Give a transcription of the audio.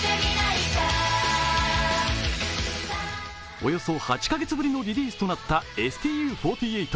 およそ８カ月ぶりのリリースとなったＳＴＵ４８。